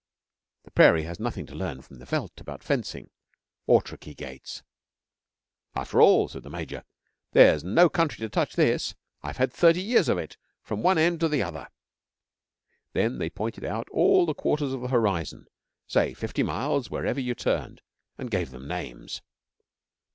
(The Prairie has nothing to learn from the Veldt about fencing, or tricky gates.) 'After all,' said the Major, 'there's no country to touch this. I've had thirty years of it from one end to the other.' Then they pointed out all the quarters of the horizon say, fifty miles wherever you turned and gave them names.